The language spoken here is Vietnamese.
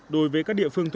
đối với các địa phương